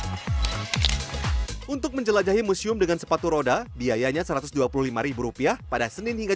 atau anda bisa menjajal wahana melukis ini